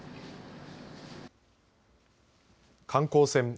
観光船